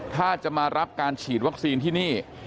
ถ้าจะมารับการฉีดวัคซีนที่นี่